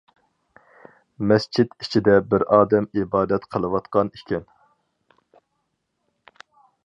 مەسچىت ئىچىدە بىر ئادەم ئىبادەت قىلىۋاتقان ئىكەن.